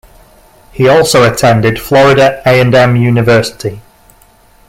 He also attended Florida A and M University.